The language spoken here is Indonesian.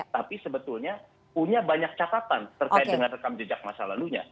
tapi sebetulnya punya banyak catatan terkait dengan rekam jejak masa lalunya